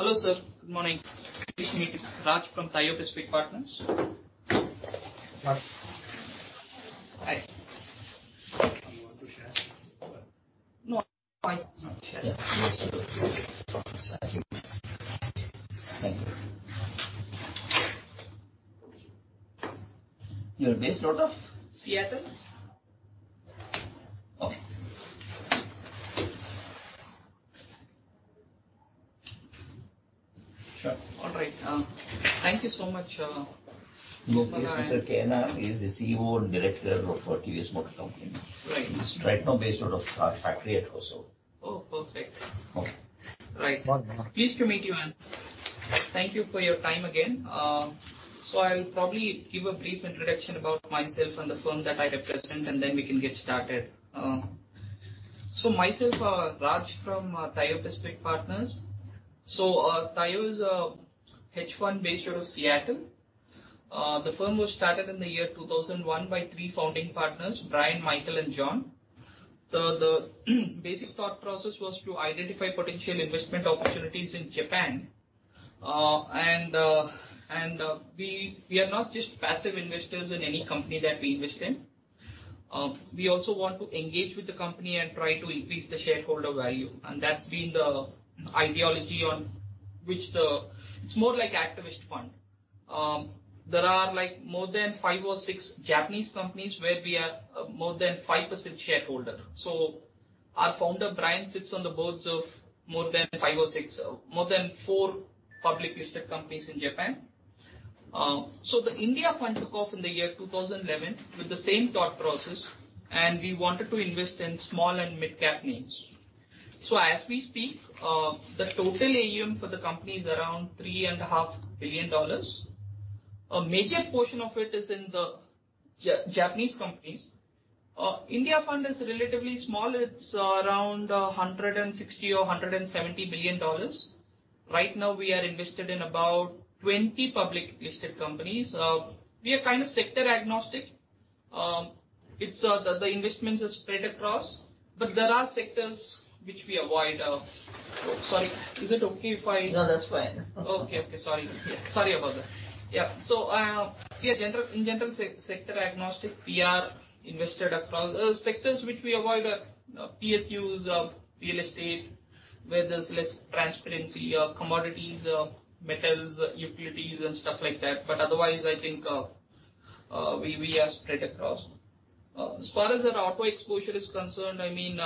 Hello, sir. Good morning. Pleased to meet you. Raj from Taiyo Pacific Partners. Raj. Hi. You want to share? No, I'm fine. Thank you. You are based out of? Seattle. Okay. Sure. All right, thank you so much. This is Mr. K. N. He's the CEO and Director of TVS Motor Company. Right. He's right now based out of our factory at Hosur. Oh, perfect. Okay. Right. Pleased to meet you, and thank you for your time again. I'll probably give a brief introduction about myself and the firm that I represent, and then we can get started. Myself, Raj from Taiyo Pacific Partners. Taiyo is a hedge fund based out of Seattle. The firm was started in 2001 by three founding partners, Brian, Michael, and John. The basic thought process was to identify potential investment opportunities in Japan. We are not just passive investors in any company that we invest in. We also want to engage with the company and try to increase the shareholder value, and that's been the ideology on which the. It's more like activist fund. There are, like, more than five or six Japanese companies where we are more than 5% shareholder. Our founder, Brian, sits on the boards of more than five or six, more than four publicly listed companies in Japan. The India fund took off in the year 2011 with the same thought process, and we wanted to invest in small and mid-cap names. As we speak, the total AUM for the company is around $3.5 billion. A major portion of it is in the Japanese companies. India fund is relatively small. It's around $160 million or $170 million. Right now, we are invested in about 20 publicly listed companies. We are kind of sector agnostic. The investments are spread across, but there are sectors which we avoid. Sorry, is it okay if I? No, that's fine. Okay. Sorry about that. Yeah. In general, sector agnostic, we are invested across. Sectors which we avoid are PSUs, real estate, where there's less transparency, commodities, metals, utilities and stuff like that. Otherwise, I think, we are spread across. As far as our auto exposure is concerned, I mean,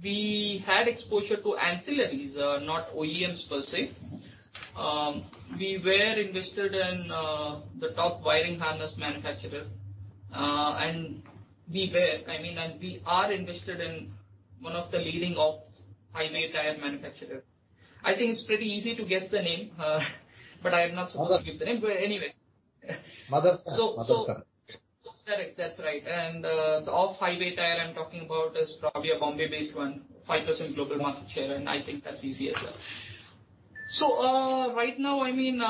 we had exposure to ancillaries, not OEMs per se. We were invested in the top Wiring Harness manufacturer, and we are invested in one of the leading off-highway tire manufacturer. I think it's pretty easy to guess the name, but I am not supposed to give the name anyway. Motherson. Correct. That's right. The off-highway tire I'm talking about is probably a Bombay-based one, 5% global market share, and I think that's easy as well. Right now, I mean,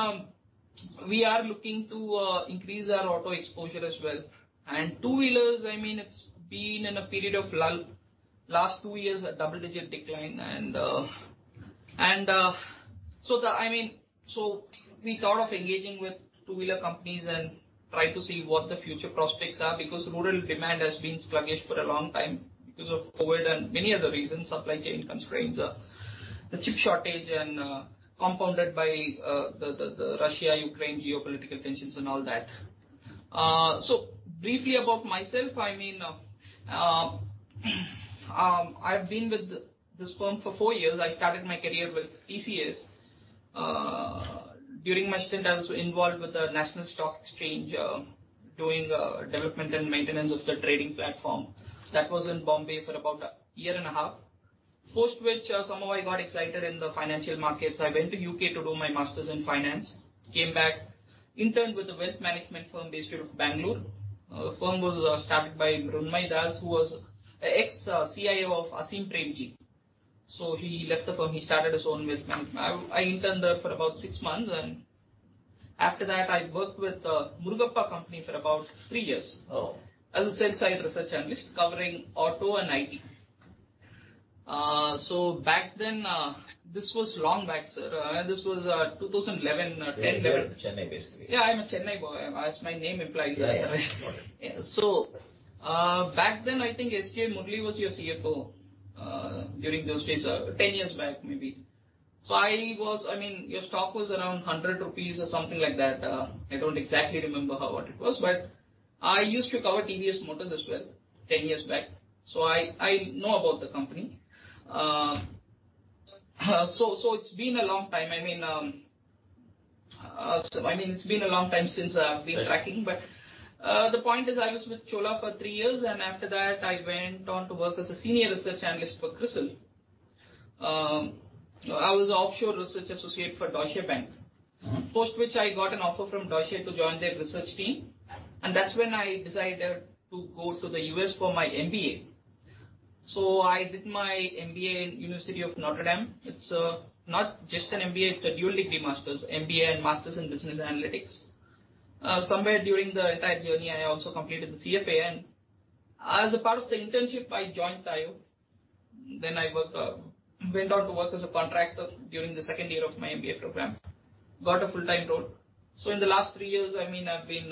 we are looking to increase our auto exposure as well. Two-wheelers, I mean, it's been in a period of lull. Last two years, a double-digit decline. We thought of engaging with two-wheeler companies and try to see what the future prospects are because rural demand has been sluggish for a long time because of COVID and many other reasons, supply chain constraints, the chip shortage, compounded by the Russia-Ukraine geopolitical tensions and all that. Briefly about myself, I mean, I've been with this firm for four years. I started my career with ECS. During my stint, I was involved with the National Stock Exchange, doing development and maintenance of the trading platform. That was in Bombay for about a year and a half. Post which, somehow I got excited in the financial markets. I went to the U.K. to do my master's in finance, came back, interned with a wealth management firm based out of Bangalore. The firm was started by Mrunmay Das, who was ex-CIO of Azim Premji. He left the firm. He started his own wealth management company. I interned there for about six months, and after that, I worked with a Murugappa company for about three years as a sell-side Research Analyst covering Auto and IT. Back then, this was long back, sir. This was 2011, 10. You're a Chennai-based? Yeah. I'm a Chennai boy, as my name implies. Yeah. Got it. Back then, I think S. G. Murali was your CFO during those days, 10 years back, maybe. I mean, your stock was around 100 rupees or something like that. I don't exactly remember how, what it was, but I used to cover TVS Motor Company as well 10 years back, so I know about the company. It's been a long time. I mean, it's been a long time since I've been tracking, but the point is I was with Cholamandalam for three years, and after that I went on to work as a Senior Research Analyst for Crisil. I was an offshore Research Associate for Deutsche Bank. After which I got an offer from Deutsche to join their research team, and that's when I decided to go to the U.S. for my MBA. I did my MBA in University of Notre Dame. It's not just an MBA, it's a dual degree master's, MBA and master's in Business Analytics. Somewhere during the entire journey, I also completed the CFA and. As a part of the internship, I joined Taiyo. I went on to work as a contractor during the second year of my MBA program, got a full-time role. In the last three years, I mean, I've been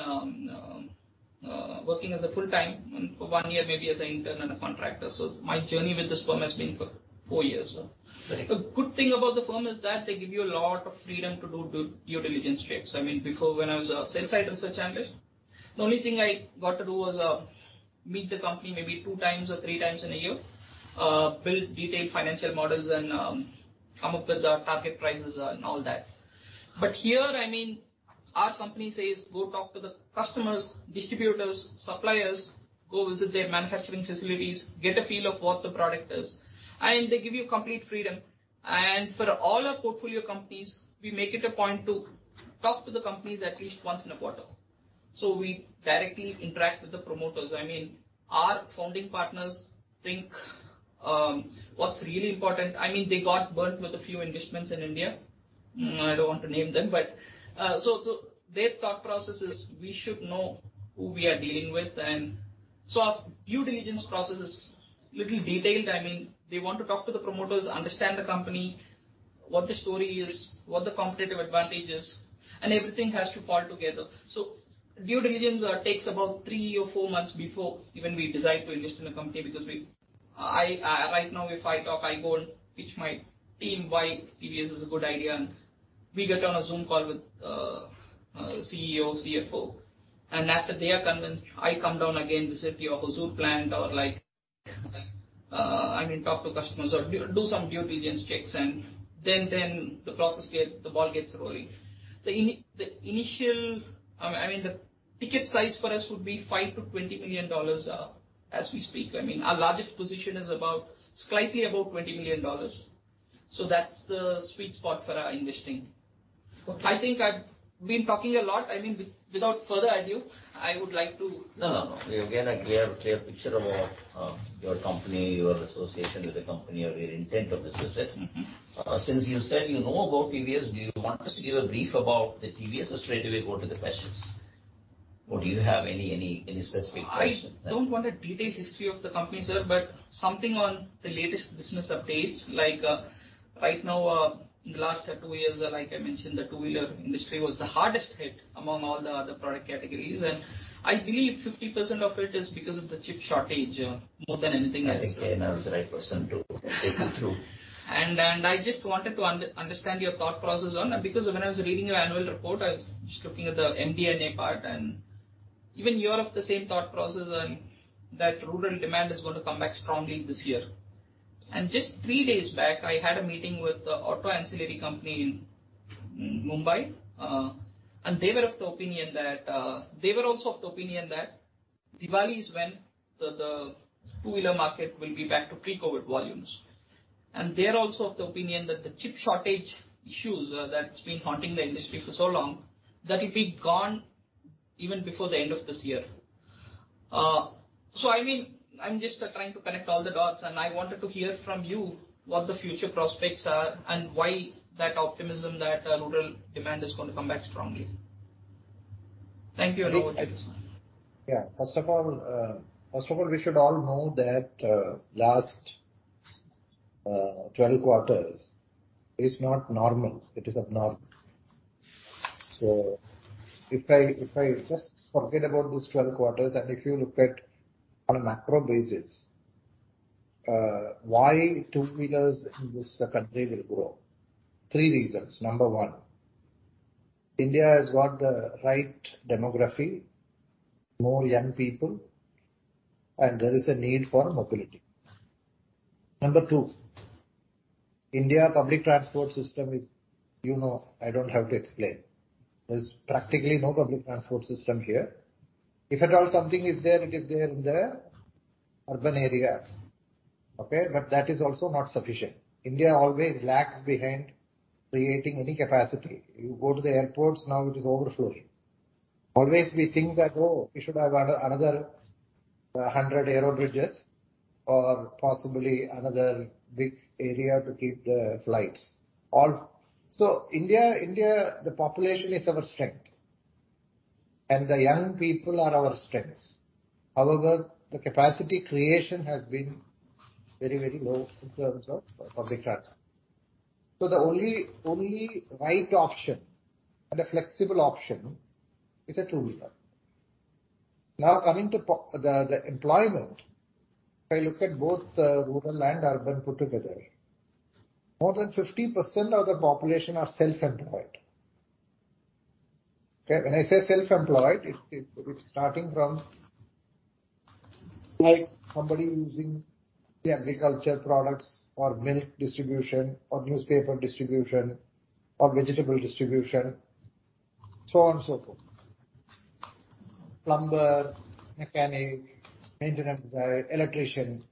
working as a full-time and for one year, maybe as an intern and a contractor. My journey with this firm has been for four years now. The good thing about the firm is that they give you a lot of freedom to do due diligence checks. I mean, before, when I was a Sell-Side Research Analyst, the only thing I got to do was meet the company maybe two times or three times in a year, build detailed financial models and come up with the target prices and all that. Here, I mean, our company says, "Go talk to the customers, distributors, suppliers, go visit their manufacturing facilities, get a feel of what the product is," and they give you complete freedom. For all our portfolio companies, we make it a point to talk to the companies at least once in a quarter. We directly interact with the promoters. I mean, our founding partners think what's really important. I mean, they got burnt with a few investments in India. I don't want to name them, but their thought process is we should know who we are dealing with. Our due diligence process is little detailed. I mean, they want to talk to the promoters, understand the company, what the story is, what the competitive advantage is, and everything has to fall together. Due diligence takes about three or four months before even we decide to invest in a company because right now, if I talk, I go and pitch my team why TVS is a good idea, and we get on a Zoom call with CEO, CFO. After they are convinced, I come down again, visit the Hosur plant or like, I mean, talk to customers or do some due diligence checks and then the process gets the ball rolling. The initial, I mean, the ticket size for us would be $5 million-$20 million, as we speak. I mean, our largest position is about, slightly above $20 million. That's the sweet spot for our investing. I think I've been talking a lot. I mean, without further ado, I would like to. No, no. You gave a clear picture about your company, your association with the company, your intent of business, yeah. Since you said you know about TVS, do you want us to give a brief about the TVS or straightaway go to the questions? Or do you have any specific question? I don't want a detailed history of the company, sir, but something on the latest business updates. Like, right now, in the last two years, like I mentioned, the two-wheeler industry was the hardest hit among all the other product categories. I believe 50% of it is because of the chip shortage, more than anything else. I think I am the right person to take you through. I just wanted to understand your thought process on that. Because when I was reading your Annual Report, I was just looking at the MD&A part, and even you're of the same thought process on that rural demand is gonna come back strongly this year. Just three days back, I had a meeting with the auto ancillary company in Mumbai. They were of the opinion that they were also of the opinion that Diwali is when the two-wheeler market will be back to pre-COVID volumes. They're also of the opinion that the chip shortage issues that's been haunting the industry for so long, that it'll be gone even before the end of this year. I mean, I'm just trying to connect all the dots, and I wanted to hear from you what the future prospects are and why that optimism that rural demand is gonna come back strongly. Thank you and over to you, sir. Yeah. First of all, we should all know that last 12 quarters is not normal, it is abnormal. If I just forget about these 12 quarters and if you look at on a macro basis, why two-wheelers in this country will grow? Three reasons. Number one, India has got the right demography, more young people, and there is a need for mobility. Number two, India public transport system is, you know, I don't have to explain. There's practically no public transport system here. If at all something is there, it is there in the urban area. Okay? That is also not sufficient. India always lags behind creating any capacity. You go to the airports now, it is overflowing. Always think that, "Oh, we should have another 100 aerobridges or possibly another big area to keep the flights." Also, India, the population is our strength, and the young people are our strengths. However, the capacity creation has been very, very low in terms of public transport. The only right option and a flexible option is a two-wheeler. Now, coming to the employment, if I look at both the rural and urban put together, more than 50% of the population are self-employed. Okay? When I say self-employed, it's starting from like somebody using the agricultural products or milk distribution or newspaper distribution or vegetable distribution, so on and so forth. Plumber, mechanic, maintenance guy, electrician.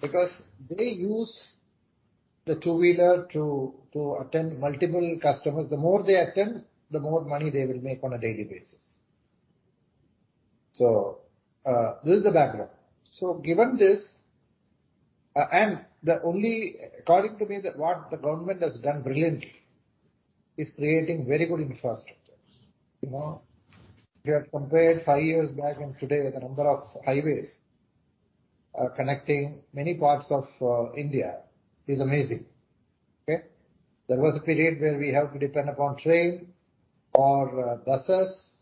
Because they use the two-wheeler to attend multiple customers. The more they attend, the more money they will make on a daily basis. This is the background. Given this, and the only according to me that what the government has done brilliantly is creating very good infrastructures. You know, if you have compared five years back and today, the number of highways connecting many parts of India is amazing. Okay? There was a period where we have to depend upon train or buses,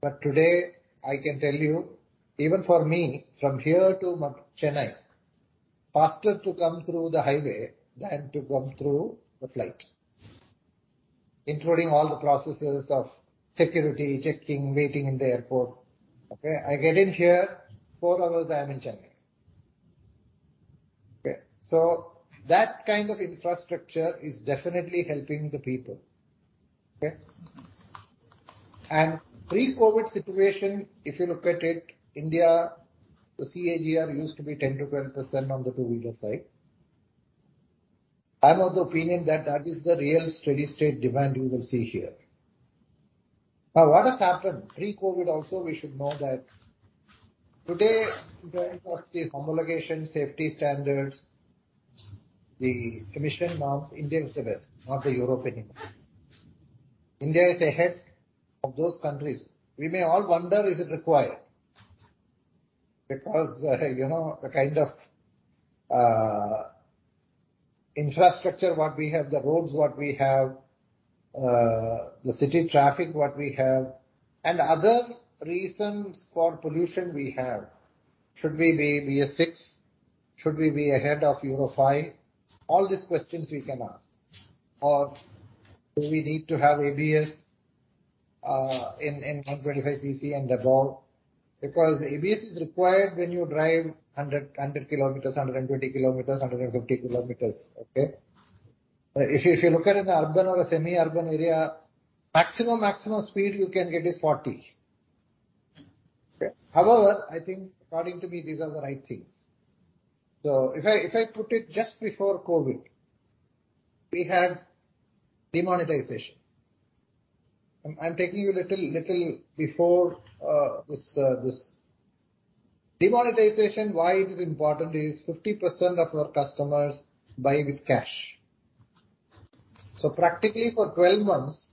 but today I can tell you, even for me, from Mumbai to Chennai, faster to come through the highway than to come through the flight. Including all the processes of security, checking, waiting in the airport. Okay? I get in here, 4 hours I am in Chennai. Okay. That kind of infrastructure is definitely helping the people. Okay? Pre-COVID situation, if you look at it, India, the CAGR used to be 10%-12% on the two-wheeler side. I'm of the opinion that that is the real steady state demand you will see here. Now, what has happened, pre-COVID also we should know that today in terms of the homologation safety standards, the emission norms, India is the best, not the Europe anymore. India is ahead of those countries. We may all wonder, is it required? Because, you know, the kind of infrastructure what we have, the roads what we have, the city traffic what we have, and other reasons for pollution we have. Should we be BS VI? Should we be ahead of Euro-5? All these questions we can ask. Or do we need to have ABS in 125cc and above? Because ABS is required when you drive 100 km, 120 km, 150 km, okay? If you look at in an urban or a semi-urban area, maximum speed you can get is 40 km. Okay. However, I think according to me, these are the right things. If I put it just before COVID, we had demonetization. I'm taking you little before this. Demonetization, why it is important is 50% of our customers buy with cash. So practically for 12 months,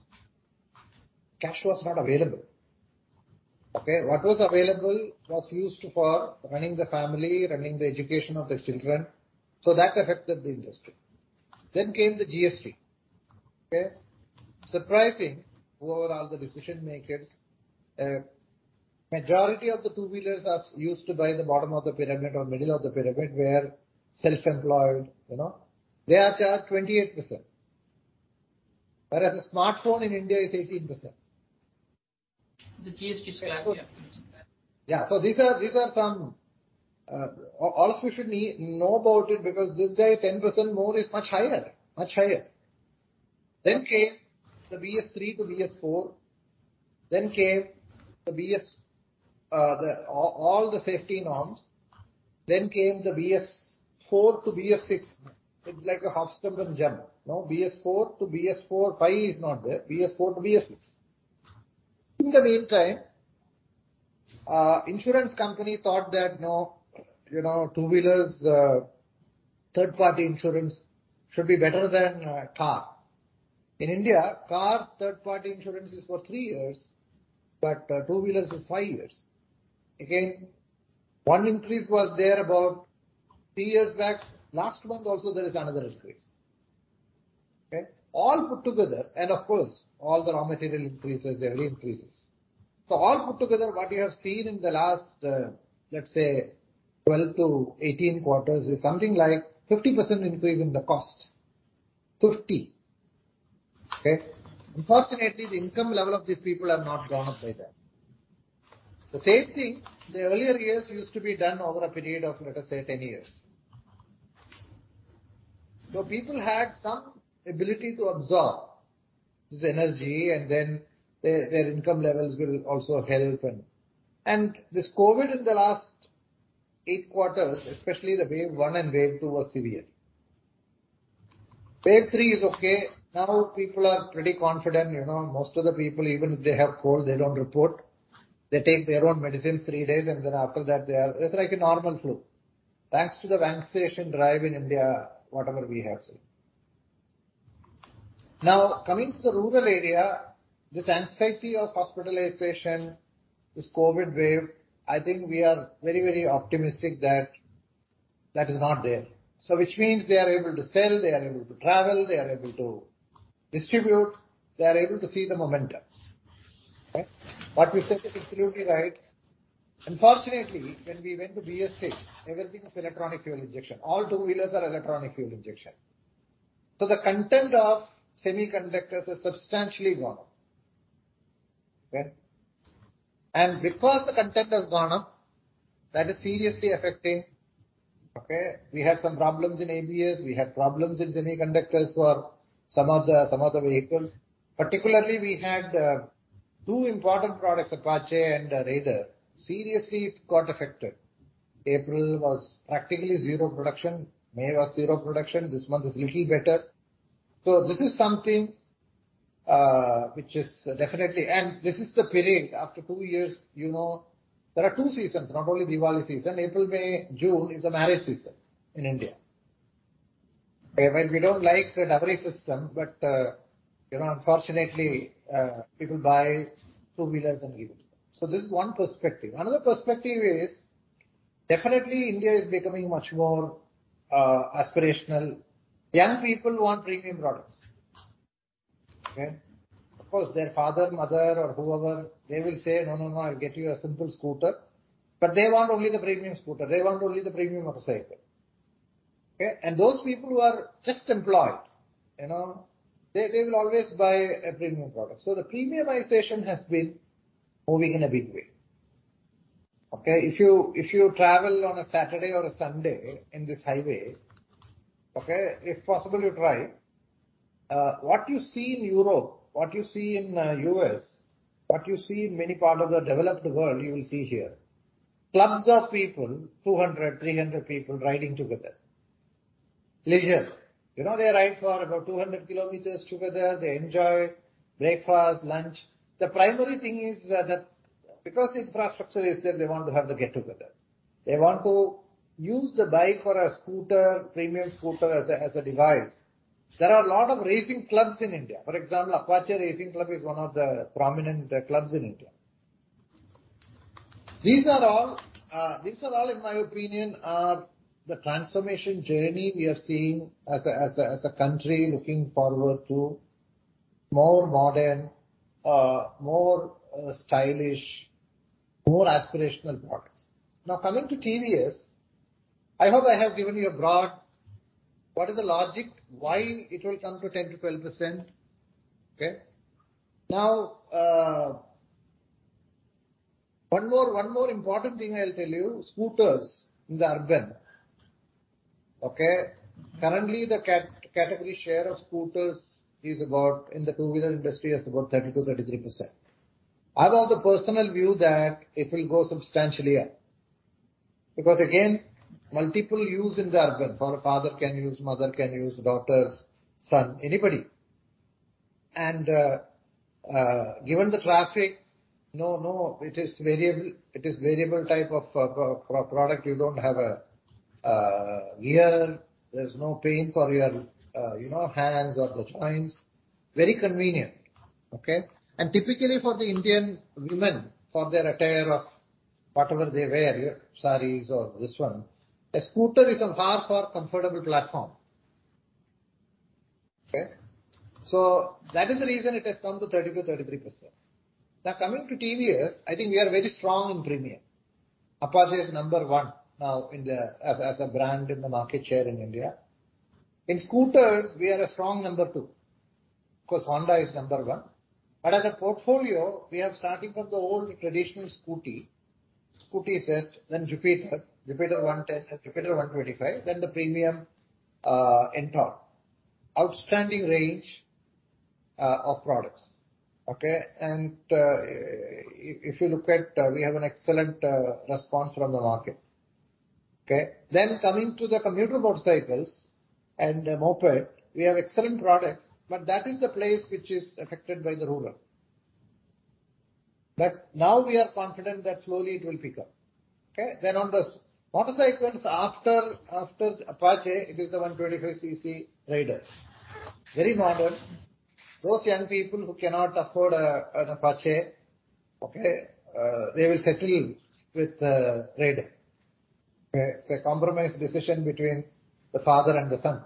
cash was not available. Okay. What was available was used for running the family, running the education of the children, so that affected the industry. Came the GST. Okay. Surprising, overall, the decision makers. Majority of the two-wheelers are used by the bottom of the pyramid or middle of the pyramid, were self-employed, you know. They are charged 28%. Whereas a smartphone in India is 18%. The GST slab, yeah. Yeah. These are some. All of you should know about it because these days 10% more is much higher. Much higher. Came the BS III to BS IV. Came all the safety norms. Came the BS IV to BS VI. It's like a hop, skip, and jump, no? BS IV to BS V is not there. BS IV to BS VI. In the meantime, insurance company thought that, no, you know, two-wheelers, third-party insurance should be better than car. In India, car third-party insurance is for three years, but two-wheelers is five years. Again, one increase was there about three years back. Last month also there is another increase. Okay? All put together, and of course, all the raw material increases, daily increases. All put together, what you have seen in the last, let's say 12-18 quarters is something like 50% increase in the cost. Okay? Unfortunately, the income level of these people have not gone up by that. The same thing, the earlier years used to be done over a period of, let us say, 10 years. People had some ability to absorb this energy and then their income levels will also help them. This COVID in the last eight quarters, especially the wave one and wave two were severe. Wave three is okay. Now people are pretty confident. You know, most of the people, even if they have cold, they don't report. They take their own medicine three days, and then after that they are. It's like a normal flu. Thanks to the vaccination drive in India, whatever we have seen. Now, coming to the rural area, this anxiety of hospitalization, this COVID wave, I think we are very, very optimistic that that is not there. Which means they are able to sell, they are able to travel, they are able to distribute, they are able to see the momentum. Okay. What we said is absolutely right. Unfortunately, when we went to BS VI, everything is electronic fuel injection. All two-wheelers are electronic fuel injection. So the content of semiconductors has substantially gone up. Okay. Because the content has gone up, that is seriously affecting. Okay. We had some problems in ABS. We had problems in semiconductors for some of the vehicles. Particularly, we had two important products, Apache and Raider, seriously it got affected. April was practically zero production. May was zero production. This month is little better. This is something which is definitely. This is the period after two years, you know. There are two seasons, not only Diwali season. April, May, June is the marriage season in India. Okay. While we don't like the dowry system, but, you know, unfortunately, people buy two-wheelers and give it to them. This is one perspective. Another perspective is definitely India is becoming much more aspirational. Young people want premium products. Okay? Of course, their father, mother or whoever, they will say, "No, no, I'll get you a simple scooter." But they want only the premium scooter. They want only the premium motorcycle. Okay? Those people who are just employed, you know, they will always buy a premium product. The premiumization has been moving in a big way. Okay. If you travel on a Saturday or a Sunday in this highway, if possible you try what you see in Europe, what you see in U.S., what you see in many parts of the developed world, you will see here. Clubs of people, 200, 300 people riding together. Leisure. You know, they ride for about 200 km together. They enjoy breakfast, lunch. The primary thing is that because infrastructure is there, they want to have the get-together. They want to use the bike or a scooter, premium scooter as a device. There are a lot of racing clubs in India. For example, Apache Racing Club is one of the prominent clubs in India. These are all, in my opinion, are the transformation journey we are seeing as a country looking forward to more modern, more stylish, more aspirational products. Now, coming to TVS, I hope I have given you a broad what is the logic, why it will come to 10%-12%. Okay? Now, one more important thing I'll tell you. Scooters in the urban, okay, currently the category share of scooters is about, in the two-wheeler industry, is about 30%-33%. I've also personal view that it will go substantially up, because again, multiple use in the urban. For a father can use, mother can use, daughter, son, anybody. And, given the traffic, it is variable type of product. You don't have a gear. There's no pain for your, you know, hands or the joints. Very convenient. Okay? Typically for the Indian women, for their attire of whatever they wear, your sarees or this one, a scooter is a far, far comfortable platform. Okay? That is the reason it has come to 30%-33%. Now, coming to TVS, I think we are very strong in premium. Apache is number one now in the, as a brand in the market share in India. In scooters, we are a strong number two. Of course, Honda is number one. As a portfolio, we are starting from the old traditional Scooty. Scooty Zest, then Jupiter. Jupiter 110 and Jupiter 125, then the premium, Ntorq. Outstanding range of products. Okay? If you look at, we have an excellent response from the market. Okay? Coming to the commuter motorcycles and moped, we have excellent products, but that is the place which is affected by the rural. Now we are confident that slowly it will pick up. Okay? On the motorcycles, after Apache, it is the 125cc Raider. Very modern. Those young people who cannot afford an Apache, okay, they will settle with the Raider. Okay. It is a compromise decision between the father and the son.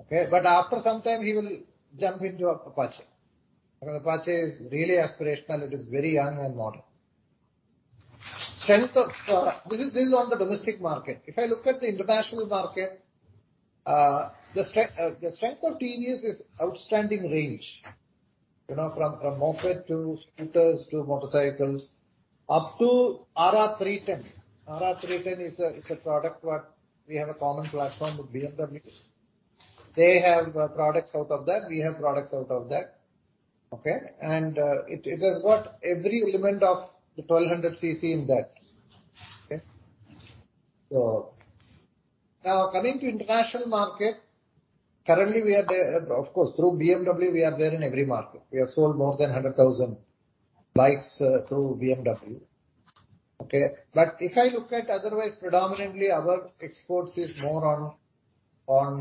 Okay? After some time, he will jump into Apache. Apache is really aspirational. It is very young and modern. Strength of... This is on the domestic market. If I look at the international market, the strength of TVS is outstanding range. You know, from moped to scooters to motorcycles, up to RR 310. RR 310 is a product what we have a common platform with BMW. They have products out of that. We have products out of that. Okay? It has got every element of the 1,200cc in that. Okay. Now coming to international market, currently we are there, of course, through BMW, we are there in every market. We have sold more than 100,000 bikes through BMW. Okay. If I look at otherwise, predominantly our exports is more on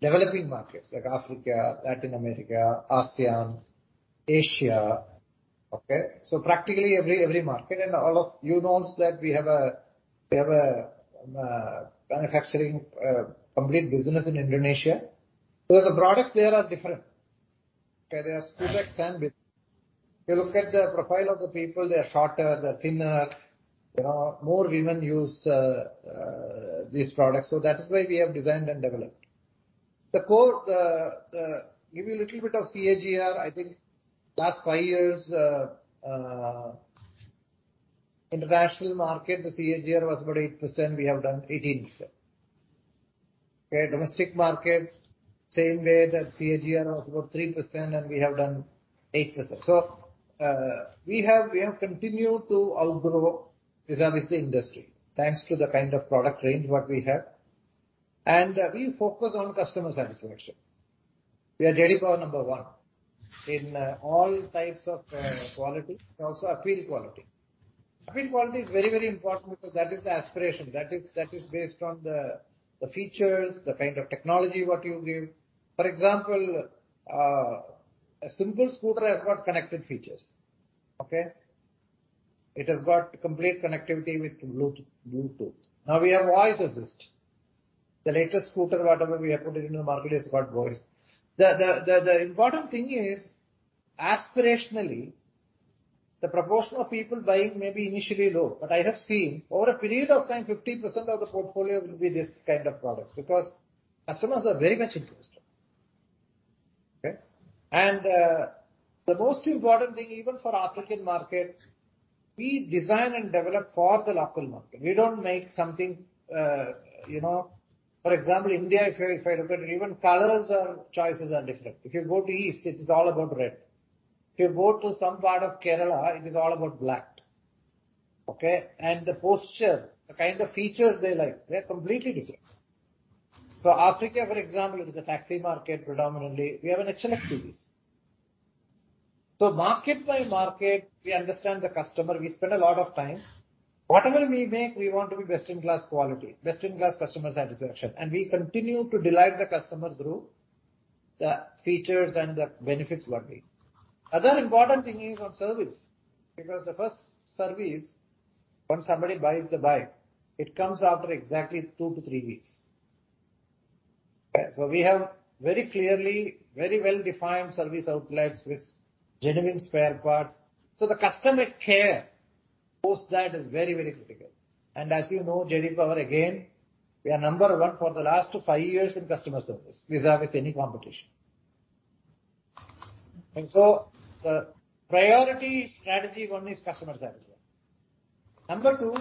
developing markets like Africa, Latin America, ASEAN, Asia. Okay. Practically every market and all of you knows that we have a manufacturing complete business in Indonesia. The products there are different. Okay. They are scooters and bikes. You look at the profile of the people, they're shorter, they're thinner. You know, more women use these products. That is why we have designed and developed. Give you a little bit of CAGR. I think last five years, international market, the CAGR was about 8%. We have done 18%. Okay. Domestic market, same way. The CAGR was about 3%, and we have done 8%. We have continued to outgrow the industry, thanks to the kind of product range what we have. We focus on customer satisfaction. We are J.D. Power number one in all types of quality and also appeal quality. Appeal quality is very, very important because that is the aspiration. That is based on the features, the kind of technology what you give. For example, a simple scooter has got connected features. It has got complete connectivity with bluetooth. Now we have voice assist. The latest scooter, whatever we have put it into the market, has got voice. The important thing is aspirationally, the proportion of people buying may be initially low, but I have seen over a period of time, 15% of the portfolio will be this kind of products, because customers are very much interested. Okay? The most important thing, even for African market, we design and develop for the local market. We don't make something, you know. For example, India, if you, if I look at it, even colors are, choices are different. If you go to east, it is all about red. If you go to some part of Kerala, it is all about black. Okay? The posture, the kind of features they like, they're completely different. Africa, for example, it is a taxi market predominantly. We have an HLX Series. Market by market, we understand the customer. We spend a lot of time. Whatever we make, we want to be best in class quality, best in class customer satisfaction, and we continue to delight the customer through the features and the benefits. Other important thing is on service, because the first service when somebody buys the bike, it comes after exactly two to three weeks. Okay. We have very clearly, very well-defined service outlets with genuine spare parts. The customer care post that is very, very critical. As you know, J.D. Power, again, we are number one for the last five years in customer service vis-à-vis any competition. The priority strategy one is customer satisfaction. Number two,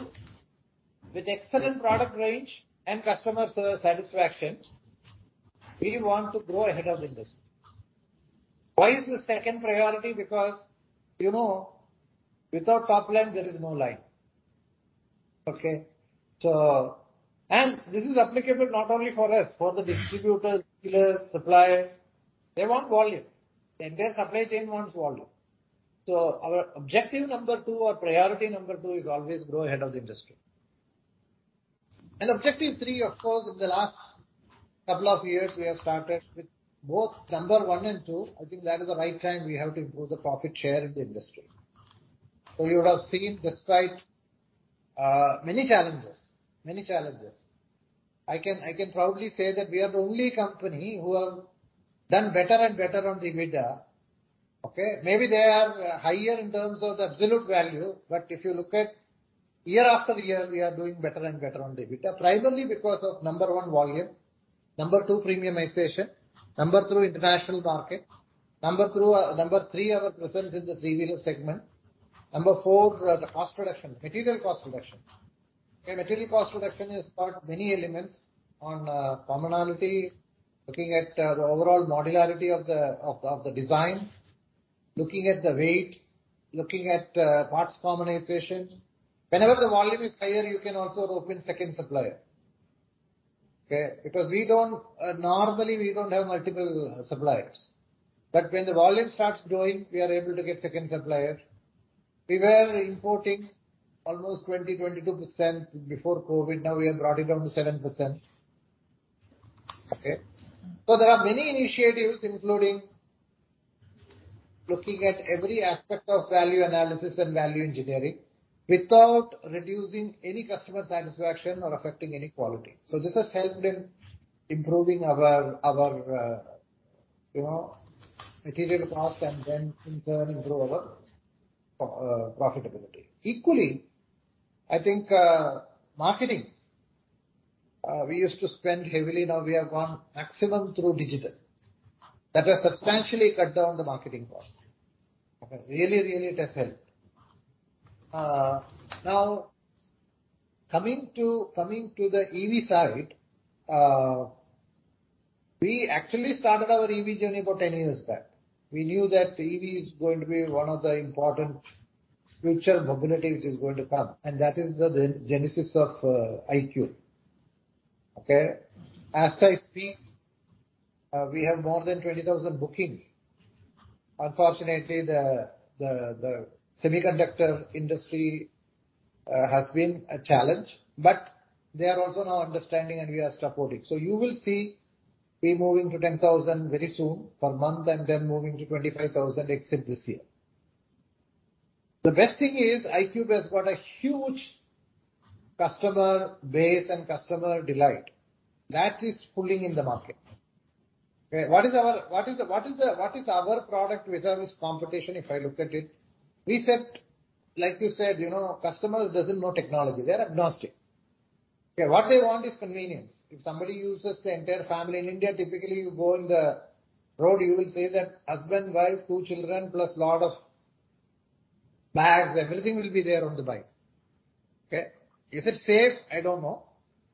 with excellent product range and customer satisfaction, we want to grow ahead of the industry. Why is this second priority? Because, you know, without top line, there is no life. Okay? This is applicable not only for us, for the distributors, dealers, suppliers, they want volume. The entire supply chain wants volume. Our objective number two or priority number two is always grow ahead of the industry. Objective three, of course, in the last couple of years, we have started with both number one and two. I think that is the right time we have to improve the profit share in the industry. You would have seen despite many challenges, I can proudly say that we are the only company who have done better and better on the EBITDA. Okay? Maybe they are higher in terms of the absolute value. If you look at year-after-year, we are doing better and better on the EBITDA, primarily because of, number one, volume. Number two, premiumization. Number three, international market. Number three, our presence in the three-wheeler segment. Number four, the cost reduction, material cost reduction. Material cost reduction has got many elements on, commonality, looking at, the overall modularity of the design. Looking at the weight, looking at, parts commonization. Whenever the volume is higher, you can also open second supplier. Because we don't, normally we don't have multiple suppliers. But when the volume starts growing, we are able to get second supplier. We were importing almost 22% before COVID. Now we have brought it down to 7%. There are many initiatives, including looking at every aspect of value analysis and value engineering without reducing any customer satisfaction or affecting any quality. This has helped in improving our material cost and then in turn improve our profitability. Equally, I think marketing we used to spend heavily. Now we have gone maximum through digital. That has substantially cut down the marketing cost. Really it has helped. Now coming to the EV side, we actually started our EV journey about 10 years back. We knew that EV is going to be one of the important future mobilities is going to come, and that is the genesis of iQube. As I speak, we have more than 20,000 bookings. Unfortunately, the semiconductor industry has been a challenge, but they are also now understanding and we are supporting. You will see we moving to 10,000 very soon per month and then moving to 25,000 exit this year. The best thing is iQube has got a huge customer base and customer delight that is pulling in the market. Okay, what is our product vis-à-vis competition, if I look at it? We said, like you said, you know, customer doesn't know technology. They're agnostic. Okay, what they want is convenience. If somebody uses the entire family in India, typically you go on the road, you will see that husband, wife, two children plus lot of bags, everything will be there on the bike. Okay? Is it safe? I don't know.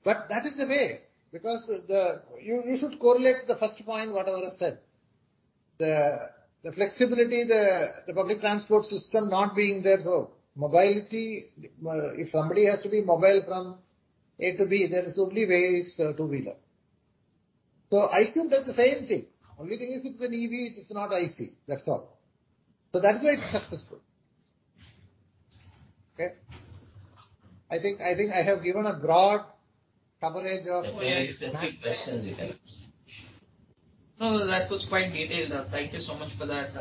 That is the way because you should correlate the first point, whatever I said. The flexibility, the public transport system not being there, so mobility, if somebody has to be mobile from A to B, there is only way is two-wheeler. So, iQube does the same thing. Only thing is it's an EV, it is not IC. That's all. That is why it's successful. Okay. I think I have given a broad coverage of. Very specific questions you can ask. No, no, that was quite detailed. Thank you so much for that,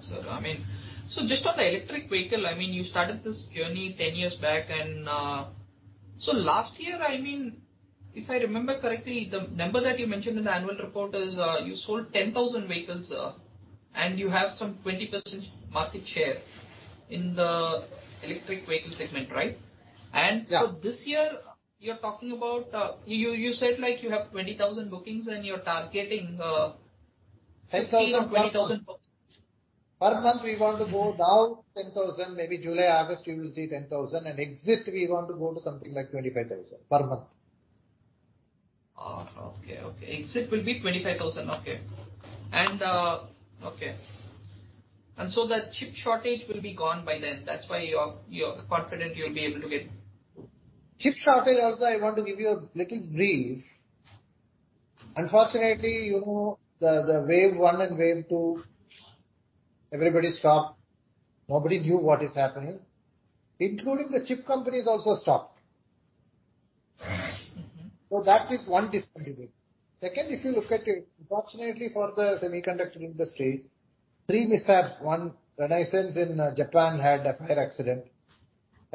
sir. I mean, so just on the electric vehicle, I mean, you started this journey 10 years back and, so last year, I mean, if I remember correctly, the number that you mentioned in the Annual Report is, you sold 10,000 vehicles, and you have some 20% market share in the electric vehicle segment, right? Yeah. This year you're talking about, you said like you have 20,000 bookings and you're targeting, 15,000 or 20,000 bookings. 10,000 per month. Per month we want to go now 10,000. Maybe July, August, you will see 10,000. Exit, we want to go to something like 25,000 per month. Okay. Exit will be 25,000. Okay. The chip shortage will be gone by then. That's why you're confident you'll be able to get. Chip shortage also. I want to give you a little brief. Unfortunately, you know, the wave one and wave two, everybody stopped. Nobody knew what is happening. Including the chip companies also stopped. That is one disturbance. Second, if you look at it, unfortunately for the semiconductor industry, three mishaps. One, Renesas in Japan had a fire accident.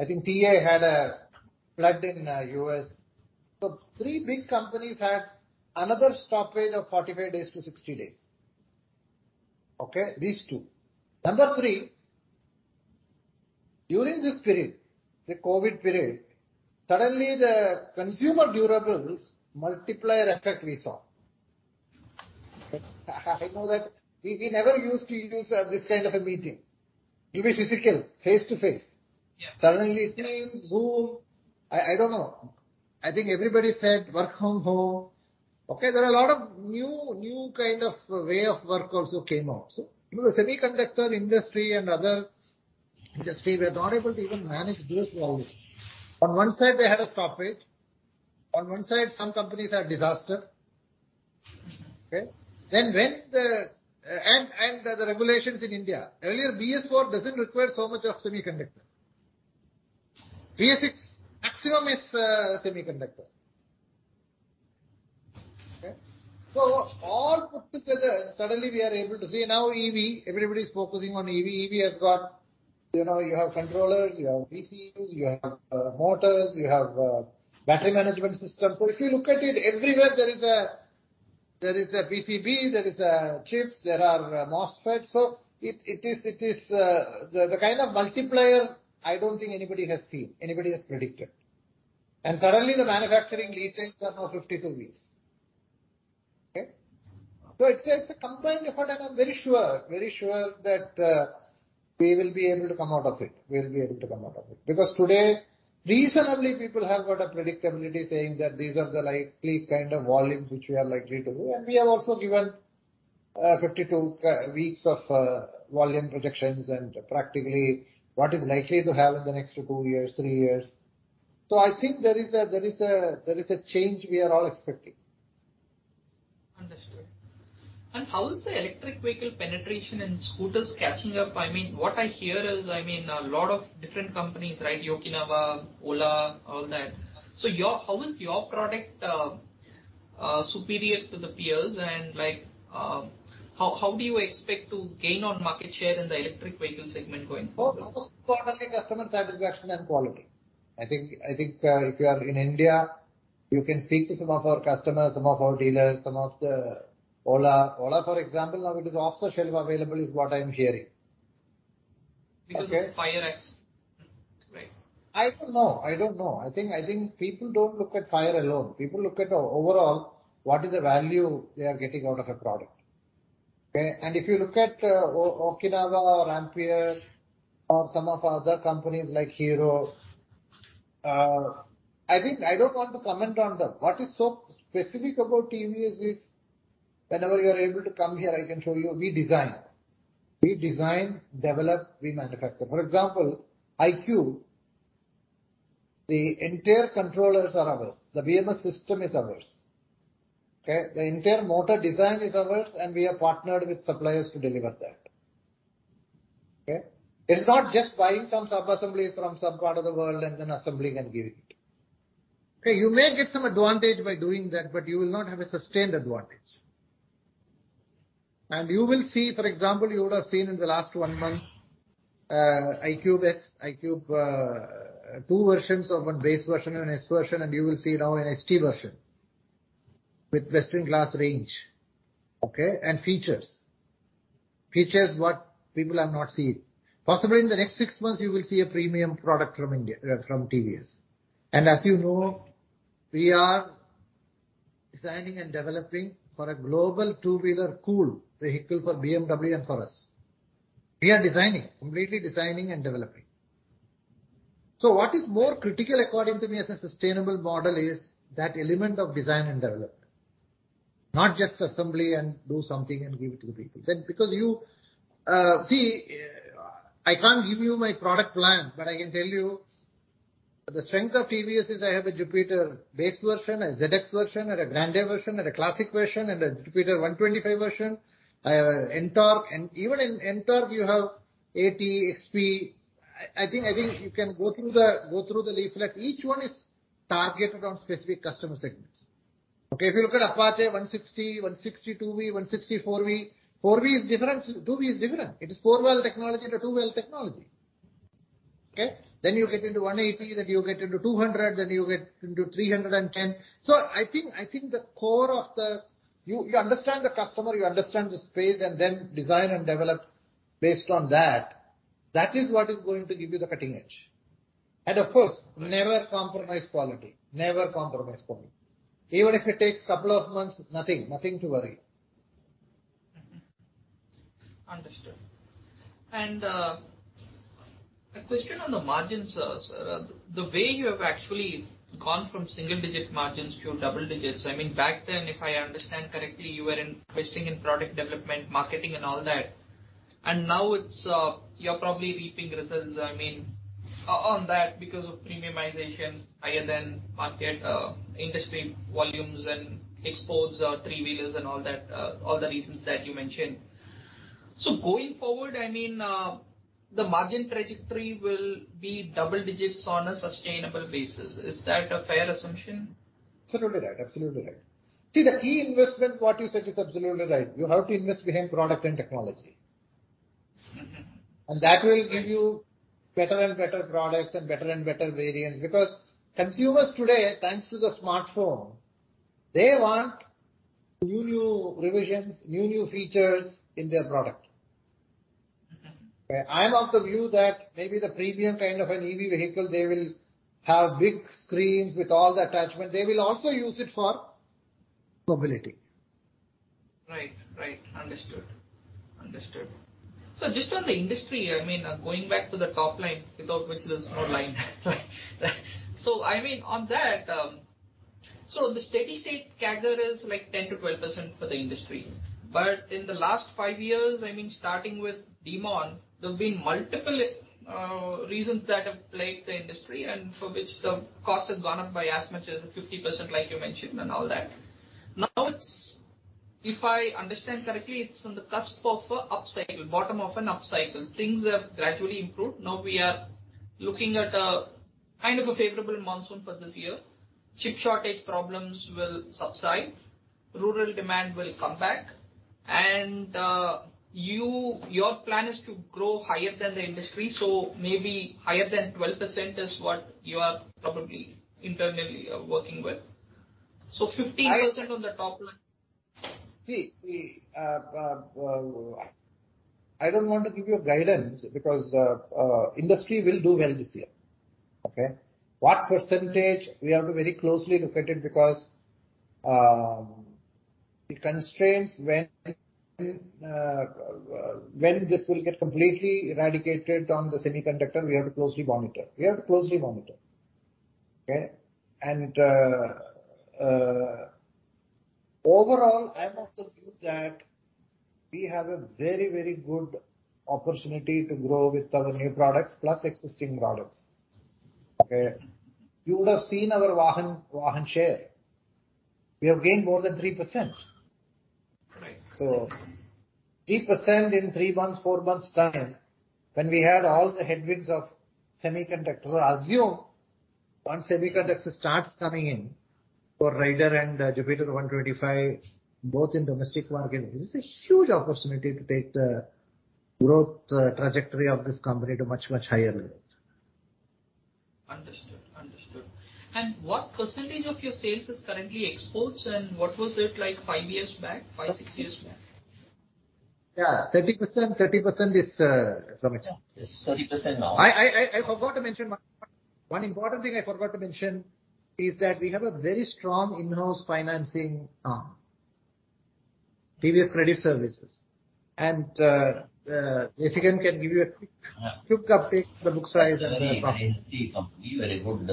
I think TI had a flood in U.S. So three big companies had another stoppage of 45-60 days. Okay. These two. Number three, during this period, the COVID period, suddenly the consumer durables multiplier effect we saw. I know that we never used to use this kind of a meeting. It'll be physical, face-to-face. Suddenly Teams, Zoom. I don't know. I think everybody said work from home. Okay? There are a lot of new kind of way of work also came out. The semiconductor industry and other industry were not able to even manage this volume. On one side they had a stoppage. On one side some companies had disaster. Okay? The regulations in India. Earlier, BS IV doesn't require so much of semiconductor. BS VI, maximum is semiconductor. Okay? All put together, suddenly we are able to see now EV, everybody's focusing on EV. EV has got, you know, you have controllers, you have VCUs, you have motors, you have Battery Management System. If you look at it, everywhere there is a PCB, there are chips, there are MOSFETs. It is the kind of multiplier I don't think anybody has seen, anybody has predicted. Suddenly the manufacturing lead times are now 52 weeks. Okay? It's a combined effort, and I'm very sure that we will be able to come out of it. Because today, reasonably people have got a predictability saying that these are the likely kind of volumes which we are likely to do. We have also given 52 weeks of volume projections and practically what is likely to happen the next two years, three years. I think there is a change we are all expecting. Understood. How is the electric vehicle penetration and scooters catching up? I mean, what I hear is, I mean, a lot of different companies, right? Okinawa, Ola, all that. How is your product superior to the peers and, like, how do you expect to gain on market share in the electric vehicle segment going forward? First of all, customer satisfaction and quality. I think if you are in India, you can speak to some of our customers, some of our dealers, some of the Ola. For example, now it is off-the-shelf available is what I'm hearing. Okay? Because of the fire accident, right? I don't know. I think people don't look at price alone. People look at the overall, what is the value they are getting out of a product. Okay? If you look at Okinawa or Ampere or some other companies like Hero, I think I don't want to comment on them. What is so specific about TVS is whenever you are able to come here, I can show you, we design, develop, we manufacture. For example, iQube, the entire controllers are ours. The BMS system is ours. Okay? The entire motor design is ours, and we have partnered with suppliers to deliver that. Okay? It's not just buying some subassemblies from some part of the world and then assembling and giving it. Okay? You may get some advantage by doing that, but you will not have a sustained advantage. You will see, for example, you would have seen in the last one month, iQube S, iQube, two versions of one base version and an S version, and you will see now an ST version with world-class range, okay? Features. Features what people have not seen. Possibly in the next six months you will see a premium product from India, from TVS. As you know, we are designing and developing for a global two-wheeler co-developed vehicle for BMW and for us. We are designing, completely designing and developing. What is more critical according to me as a sustainable model is that element of design and development, not just assembly and do something and give it to the people. Then because you... See, I can't give you my product plan, but I can tell you the strength of TVS is I have a Jupiter base version, a ZX version, and a Grande version, and a classic version, and a Jupiter 125 version. I have a Ntorq, and even in Ntorq you have 80, XP. I think you can go through the leaflet. Each one is targeted on specific customer segments. Okay, if you look at Apache 160, 160 2V, 160 4V. 4V is different, 2V is different. It is 4-valve technology to 2-valve technology. Okay. Then you get into 180, then you get into 200, then you get into 310. I think the core of the You understand the customer, you understand the space, and then design and develop based on that. That is what is going to give you the cutting edge. Of course, never compromise quality. Never compromise quality. Even if it takes couple of months, nothing. Nothing to worry. Understood. A question on the margins, sir. Sir, the way you have actually gone from single-digit margins to double digits, I mean, back then, if I understand correctly, you were investing in product development, marketing and all that, and now you're probably reaping results, I mean, on that because of premiumization higher than market industry volumes and exports, three-wheelers and all that, all the reasons that you mentioned. Going forward, I mean, the margin trajectory will be double digits on a sustainable basis. Is that a fair assumption? Absolutely right. See, the key investments, what you said is absolutely right. You have to invest behind product and technology. That will give you better and better products and better and better variants. Because consumers today, thanks to the smartphone, they want new revisions, new features in their product. Okay? I'm of the view that maybe the premium kind of an EV vehicle, they will have big screens with all the attachments. They will also use it for mobility. Right. Understood. Just on the industry, I mean, going back to the top line, without which there's no line. I mean, on that, the steady-state CAGR is like 10%-12% for the industry. In the last five years, I mean, starting with demand, there have been multiple reasons that have plagued the infdustry and for which the cost has gone up by as much as 50%, like you mentioned and all that. If I understand correctly, it's on the cusp of a upcycle, bottom of an upcycle. Things have gradually improved. Now we are looking at a kind of a favorable monsoon for this year. Chip shortage problems will subside. Rural demand will come back and your plan is to grow higher than the industry, so maybe higher than 12% is what you are probably internally working with. 15% on the top line. I don't want to give you a guidance because industry will do well this year. Okay? What percentage, we have to very closely look at it because the constraints when this will get completely eradicated on the semiconductor, we have to closely monitor. Okay? Overall, I'm of the view that we have a very good opportunity to grow with our new products plus existing products. Okay? You would have seen our Vahan share. We have gained more than 3%. Right. 3% in three months, four months time, when we had all the headwinds of semiconductors. Assume once semiconductors start coming in for Raider and Jupiter 125, both in domestic market, it is a huge opportunity to take the growth trajectory of this company to much, much higher levels. Understood. What percentage of your sales is currently exports, and what was it like five years back, five, six years back? Yeah. 30%. Yeah, it's 30% now. I forgot to mention one important thing I forgot to mention is that we have a very strong in-house financing arm, TVS Credit Services. Desikan can give you a quick update, the book size and- Certainly. A healthy company, very good,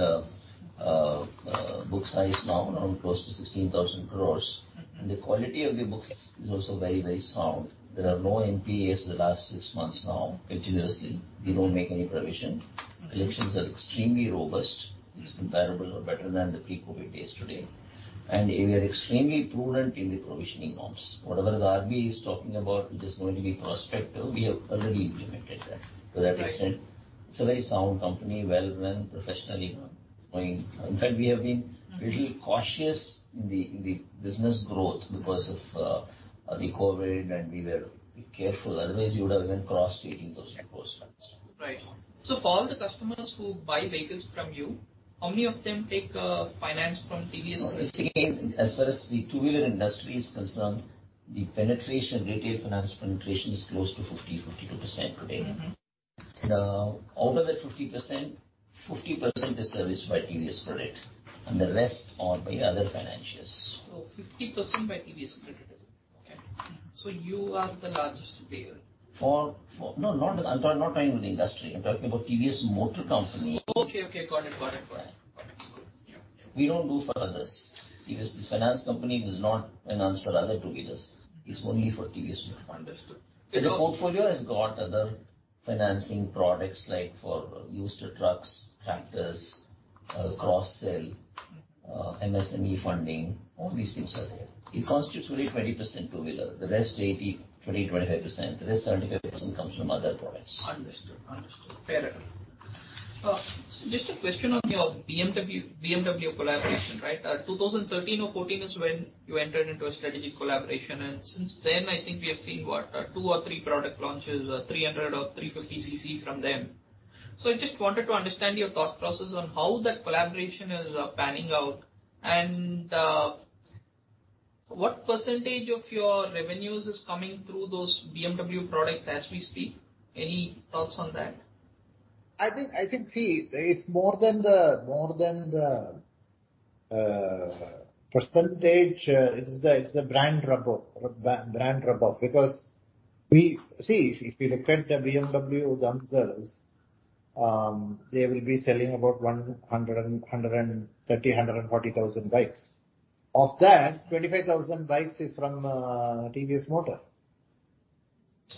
book size now around close to 16,000 crore. The quality of the books is also very, very sound. There are no NPAs the last six months now, continuously. We don't make any provision. Collections are extremely robust. It's comparable or better than the pre-COVID days today. We are extremely prudent in the provisioning norms. Whatever the RBI is talking about, which is going to be prospective, we have already implemented that to that extent, it's a very sound company, well-run, professionally run. I mean, in fact, we have been. We were a little cautious in the business growth because of the COVID, and we were careful. Otherwise, we would have even crossed INR 18,000 crore by now. Right. For all the customers who buy vehicles from you, how many of them take finance from TVS Credit? As far as the two-wheeler industry is concerned, the penetration, retail finance penetration is close to 50%-52% today. Now, over that 50% is serviced by TVS Credit, and the rest are by other financials. 50% by TVS Credit is it? You are the largest player? I'm not talking about the industry. I'm talking about TVS Motor Company. Okay. Got it. Good. Yeah. We don't do for others because this finance company does not finance for other two-wheelers. It's only for TVS Motor. Understood. The portfolio has got other financing products like for used trucks, tractors, cross-sell, MSME funding. All these things are there. It constitutes only 20% two-wheeler. The rest 80%, 20%, 25%. The rest 75% comes from other products. Understood. Fair enough. Just a question on your BMW collaboration, right? Two thousand thirteen or fourteen is when you entered into a strategic collaboration, and since then, I think we have seen, what, two or three product launches, 300cc or 350cc from them. I just wanted to understand your thought process on how that collaboration is panning out and what percentage of your revenues is coming through those BMW products as we speak. Any thoughts on that? I think see, it's more than the percentage. It's the brand rub-off because we see, if we look at BMW themselves, they will be selling about 130,000-140,000 bikes. Of that, 25,000 bikes is from TVS Motor.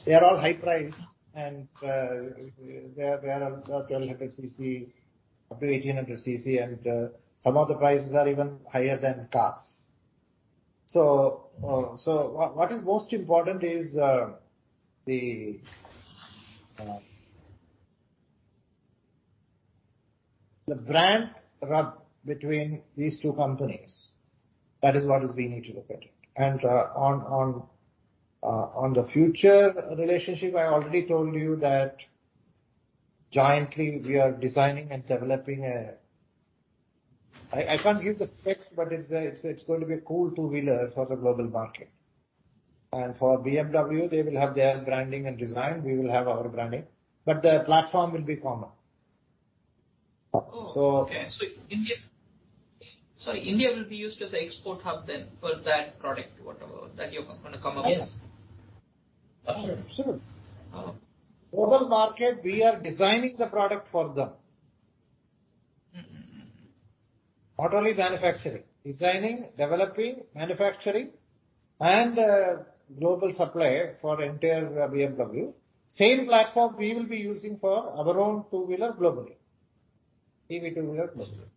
They are all high priced and they are all 1,200cc up to 1,800cc, and some of the prices are even higher than cars. What is most important is the brand rub between these two companies. That is what we need to look at. On the future relationship, I already told you that jointly we are designing and developing a.. I can't give the specs, but it's going to be a cool two-wheeler for the global market. For BMW, they will have their branding and design. We will have our branding, but the platform will be common. Oh, okay. India will be used as an export hub then for that product, whatever that you're gonna come up with. Yes. Absolutely. Global market, we are designing the product for them. Not only manufacturing. Designing, developing, manufacturing, and global supply for entire BMW. Same platform we will be using for our own two-wheeler globally. EV two-wheeler globally.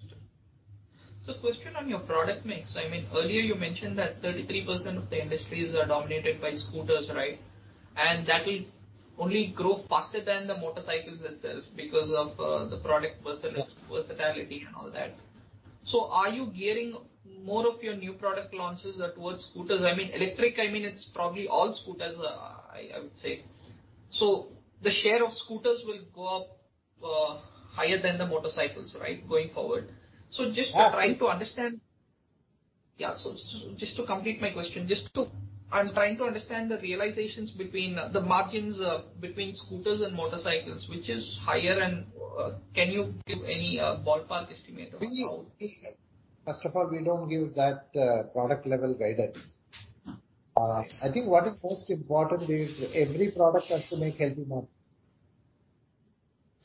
Understood. Question on your product mix. I mean, earlier you mentioned that 33% of the industry is dominated by scooters, right? That will only grow faster than the motorcycles itself because of the product versatility and all that. Are you gearing more of your new product launches towards scooters? I mean, electric, I mean, it's probably all scooters, I would say. The share of scooters will go up higher than the motorcycles, right, going forward. Just trying to understand. Yeah, so just to complete my question. I'm trying to understand the realizations between the margins between scooters and motorcycles, which is higher and can you give any ballpark estimate of how.. We first of all, we don't give that product level guidance. I think what is most important is every product has to make healthy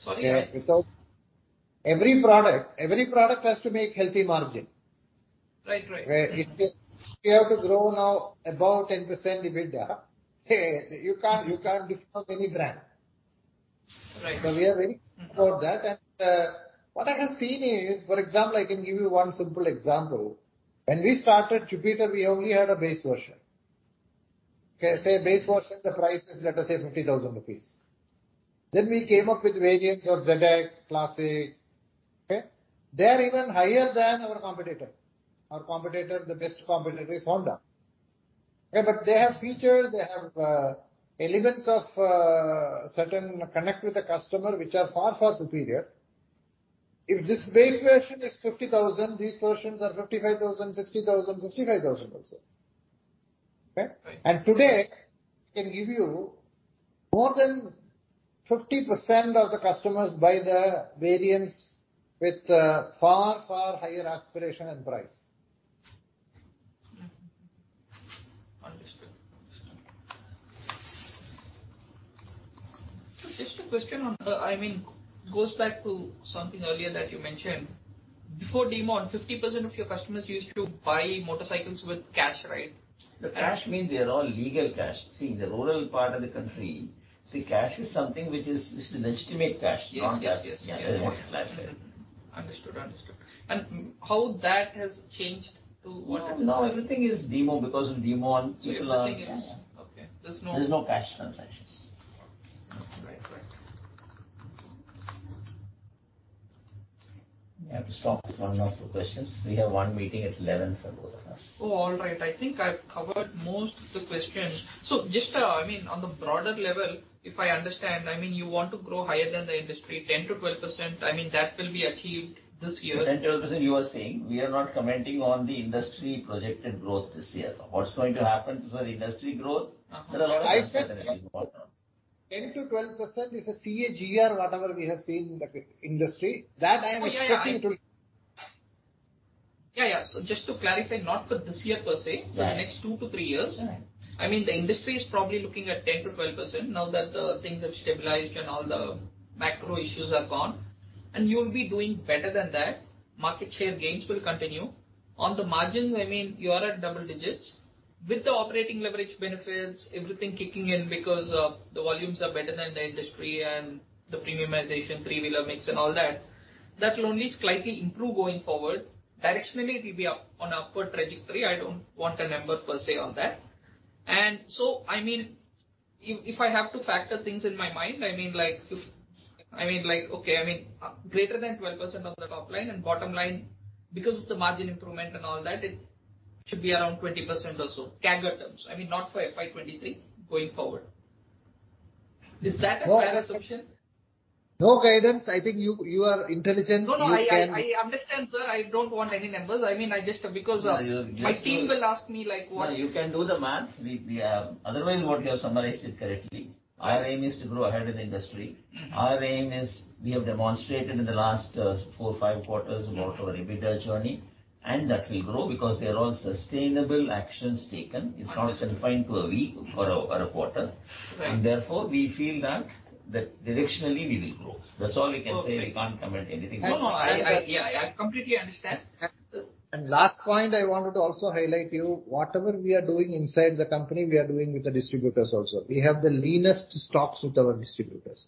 margin. Sorry? Every product has to make healthy margin. Right. Right. Where if you have to grow now about 10% EBITDA, you can't discount any brand. Right. We are very clear about that. What I have seen is, for example, I can give you one simple example. When we started Jupiter, we only had a base version. Okay. Say base version, the price is, let us say 50,000 rupees. Then we came up with variants of ZX, Classic. Okay? They are even higher than our competitor. Our competitor, the best competitor is Honda. Okay. But they have features, they have, elements of, certain connect with the customer which are far, far superior. If this base version is 50,000, these versions are 55,000, 60,000, 65,000 also. Okay? Right. Today, I can give you more than 50% of the customers buy the variants with far higher aspiration and price. Understood. Just a question on, I mean, goes back to something earlier that you mentioned. Before demonetization, 50% of your customers used to buy motorcycles with cash, right? The cash means they are all legal cash. See, in the rural part of the country, see, cash is something which is, this is legitimate cash. Yes, yes. Not that. Understood. How that has changed to what? No, everything is demonetization because of demonetization. Yeah, everything is. Yeah, yeah. Okay. There's no cash transactions. Right. Right. We have to stop at one or two questions. We have one meeting at 11:00 for both of us. Oh, all right. I think I've covered most of the questions. Just, I mean, on the broader level, if I understand, I mean, you want to grow higher than the industry 10%-12%. I mean, that will be achieved this year. The 10%-12% you are saying, we are not commenting on the industry projected growth this year. What's going to happen for industry growth, there are other factors that are involved. 10%-12% is a CAGR, whatever we have seen in the industry. Yeah. Just to clarify, not for this year per se for the next two to three years. I mean, the industry is probably looking at 10%-12% now that the things have stabilized and all the macro issues are gone. You'll be doing better than that. Market share gains will continue. On the margins, I mean, you are at double digits. With the operating leverage benefits, everything kicking in because of the volumes are better than the industry and the premiumization three-wheeler mix and all that will only slightly improve going forward. Directionally, it will be up on upward trajectory. I don't want a number per se on that. I mean, if I have to factor things in my mind, I mean, like, okay, I mean, greater than 12% on the top line, and bottom line, because of the margin improvement and all that, it should be around 20% or so, CAGR terms. I mean, not for FY 2023, going forward. Is that a fair assumption? No guidance. I think you are intelligent. No, no, I understand, sir. I don't want any numbers. I mean, I just. My team will ask me, like, what. No, you can do the math. Otherwise, what you have summarized it correctly. Our aim is to grow ahead in the industry. Our aim is we have demonstrated in the last four, five quarters about our EBITDA journey, and that will grow because they're all sustainable actions taken. It's not confined to a week or a quarter. Right. Therefore, we feel that directionally we will grow. That's all I can say. I can't comment anything. No, no. Yeah, I completely understand. Last point I wanted to also highlight you, whatever we are doing inside the company, we are doing with the distributors also. We have the leanest stocks with our distributors.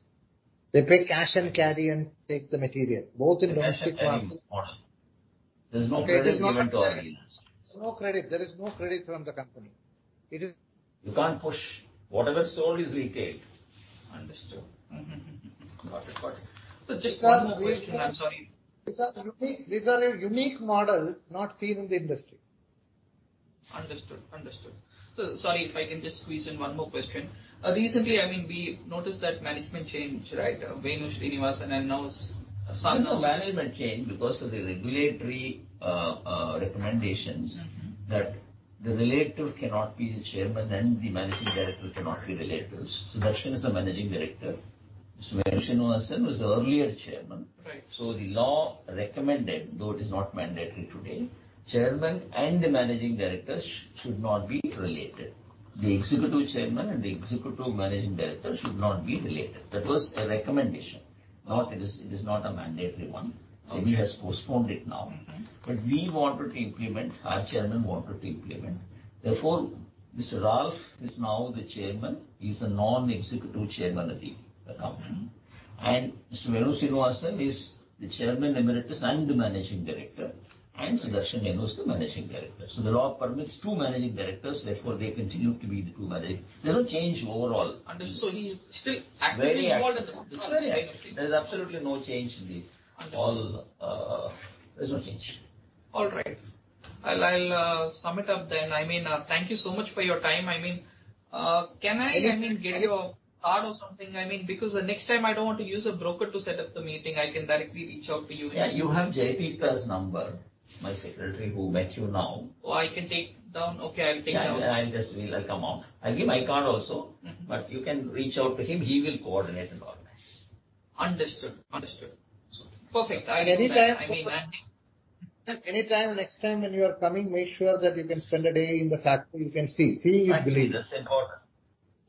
They pay cash and carry and take the material, both in domestic. They don't have any models. There's no credit given to our dealers. No credit. There is no credit from the company. You can't push. Whatever is sold is retailed. Understood. Got it. Just one more question. I'm sorry. These are a unique model not seen in the industry. Understood. Sorry if I can just squeeze in one more question. Recently, I mean, we noticed that management change, right? Venu Srinivasan and now it's Sudarshan Venu. There's no management change because of the regulatory recommendations. That the relative cannot be the Chairman and the Managing Director cannot be relatives. Sudarshan is the Managing Director. Mr. Venu Srinivasan was the earlier Chairman. Right. The law recommended, though it is not mandatory today, Chairman and the Managing Director should not be related. The Executive Chairman and the Executive Managing Director should not be related. That was a recommendation. It is not a mandatory one. SEBI has postponed it now. We wanted to implement, our chairman wanted to implement. Therefore, Mr. Ralf is now the Chairman. He's a non-Executive Chairman of the company. Mr. Venu Srinivasan is the Chairman Emeritus and the Managing Director, and Sudarshan Venu now is the Managing Director. The law permits two Managing Directors, therefore, they continue to be the two managing. There's no change overall. Understood. He's still actively involved in the business, right? Okay. Very active. There's absolutely no change in the. All, there's no change. All right. I'll sum it up then. I mean, thank you so much for your time. I mean, can I? I mean, give you a card or something? I mean, because the next time I don't want to use a broker to set up the meeting, I can directly reach out to you. Yeah. You have Jaipreet's number, my secretary who met you now. Oh, I can take down. Okay, I'll take down. Yeah, yeah. He'll come out. I'll give my card also. You can reach out to him. He will coordinate and organize. Understood. Perfect. Anytime, next time when you are coming, make sure that you can spend a day in the factory. You can see. Seeing is believing. Factory visit is important.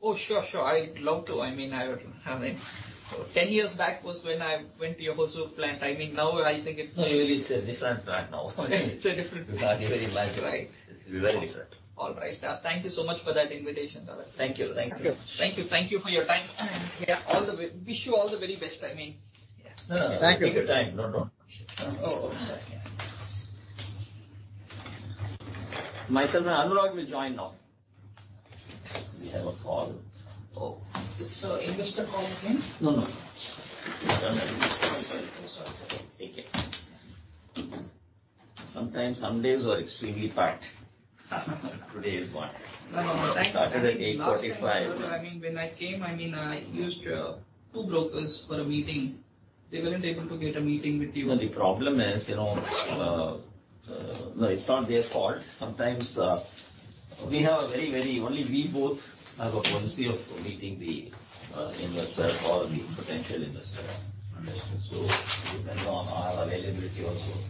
Oh, sure. I'd love to. I mean, 10 years back was when I went to your Hosur plant. I mean, now I think it. No, it's a different plant now. It's a different plant. You can't very much. Right. It's very different. All right. Thank you so much for that invitation, brother. Thank you. Thank you. Thank you. Thank you. Thank you for your time. Yeah. Wish you all the very best. I mean, yeah. Thank you. No, no. Take your time. No, no. Oh, okay. My son Anurag will join now. We have a call. It's a investor call again? No, no. It's a family call. Sorry. Take care. Sometimes some days are extremely packed. Today is one. No, no. I started at 8:45 A.M. Last time, sir, I mean, I used two brokers for a meeting. They weren't able to get a meeting with you. No, the problem is, you know, no, it's not their fault. Sometimes, only we both have a policy of meeting the investors or the potential investors. Understood. It depends on our availability also.